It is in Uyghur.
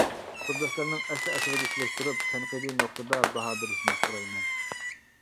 تورداشلارنىڭ ئەسلى ئەسەرگە سېلىشتۇرۇپ تەنقىدىي نۇقتىدا باھا بېرىشىنى سورايمەن.